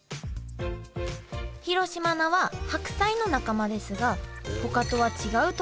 広島菜は白菜の仲間ですがほかとは違うところがあります。